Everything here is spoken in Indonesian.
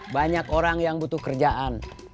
banyak orang yang butuh kerjaan